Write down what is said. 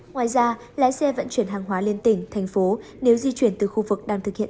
ngoài ra lái xe vận chuyển hàng hóa lên tỉnh thành phố nếu di chuyển từ khu vực đang thực hiện